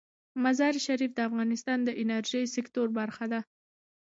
مزارشریف د افغانستان د انرژۍ سکتور برخه ده.